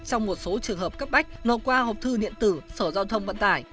trong một số trường hợp cấp bách nộp qua hộp thư điện tử sở giao thông vận tải